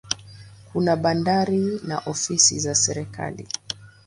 Kuna bandari na ofisi za serikali.